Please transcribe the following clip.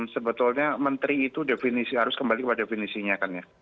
sebetulnya menteri itu harus kembali ke definisinya